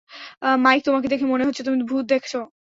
Mic তোমাকে দেখে মনে হচ্ছে তুমি ভূত দেখেছো।